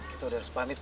kita udah responnya udah